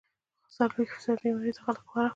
څلوېښت فيصده بيمارۍ د غلط خوراک